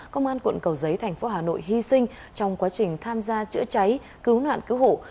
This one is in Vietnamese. công an quận cầu giấy thành phố hà nội hy sinh trong quá trình tham gia chữa cháy cứu nạn cứu hộ